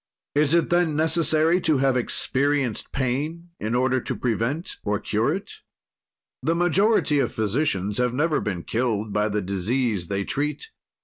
"Is it, then, necessary to have experienced pain in order to prevent or cure it? "The majority of physicians have never been killed by the disease they treat.